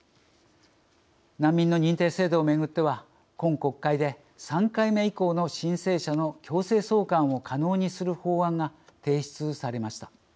難民の認定制度をめぐっては今国会で、３回目以降の申請者の強制送還を可能にする法案が提出されました。